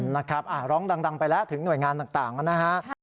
นะครับร้องดังไปแล้วถึงหน่วยงานต่างนะฮะ